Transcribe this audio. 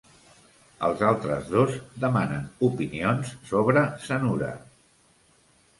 Els altres dos demanen opinions sobre Cenoura.